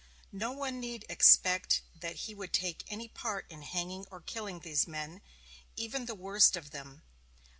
"No one need expect that he would take any part in hanging or killing these men, even the worst of them."